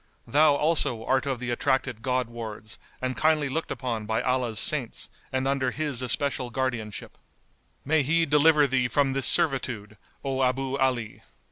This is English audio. [FN#188] Thou, also, art of the attracted God wards and kindly looked upon by Allah's Saints and under His especial guardianship. May He deliver thee from this servitude, O Abu Ali!"